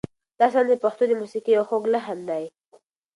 دا سندره د پښتنو د موسیقۍ یو خوږ لحن دی.